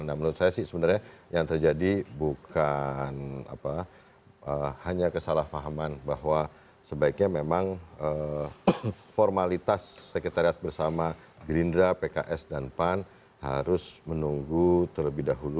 nah menurut saya sih sebenarnya yang terjadi bukan hanya kesalahpahaman bahwa sebaiknya memang formalitas sekretariat bersama gerindra pks dan pan harus menunggu terlebih dahulu